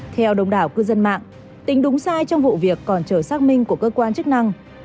theo đồng đảo cư dân mạng tính đúng sai trong vụ việc còn chờ xác minh của cơ quan chức năng